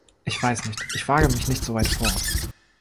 Ich weiß nicht, ich wage mich nicht soweit vor.